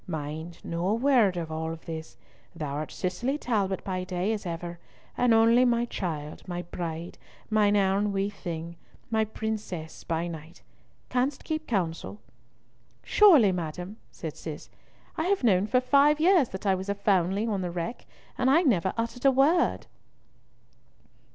Mind, no word of all this. Thou art Cicely Talbot by day, as ever, and only my child, my Bride, mine ain wee thing, my princess by night. Canst keep counsel?" "Surely, madam," said Cis, "I have known for five years that I was a foundling on the wreck, and I never uttered a word."